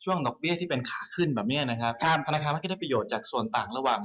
ช่วงดอกเบี้ยที่เป็นขาขึ้นธนาคารมักอย่าได้ประโยชน์จากส่วนตั้งหล่าว่าง